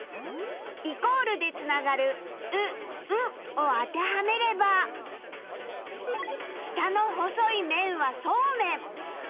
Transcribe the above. イコールで繋がる「う」「ん」を当てはめれば下の細い麺はそうめん